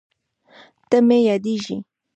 ته مې یادېږې